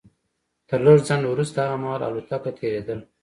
تر لږ ځنډ وروسته هغه مهال الوتکه تېرېدله